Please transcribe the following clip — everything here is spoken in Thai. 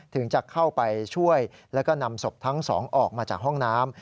ถึงจะเข้าไปช่วยแล้วก็นำศพทั้งสองออกมาจากห้องน้ำ